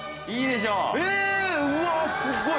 うわすごい。